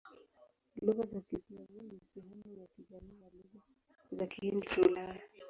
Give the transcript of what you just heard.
Lugha za Kislavoni ni sehemu ya jamii ya Lugha za Kihindi-Kiulaya.